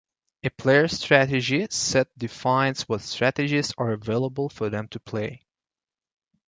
A player's strategy set defines what strategies are available for them to play.